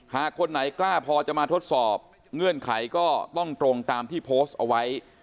คนไหนกล้าพอจะมาทดสอบเงื่อนไขก็ต้องตรงตามที่โพสต์เอาไว้